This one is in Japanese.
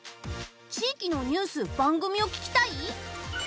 地域のニュース、番組を聴きたい？